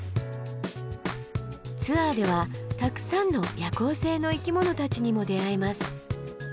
ツアーではたくさんの夜行性の生き物たちにも出会えます。